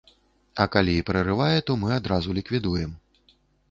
А калі і прарывае, то мы адразу ліквідуем.